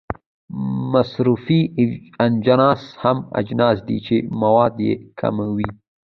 مصرفي اجناس هغه اجناس دي چې موده یې کمه وي.